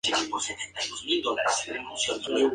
Su alcalde es Alfredo G. Ortega Jr.